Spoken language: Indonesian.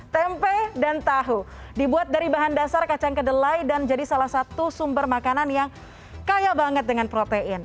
tempe dan tahu dibuat dari bahan dasar kacang kedelai dan jadi salah satu sumber makanan yang kaya banget dengan protein